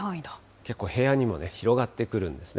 結構、平野にも広がってくるんですね。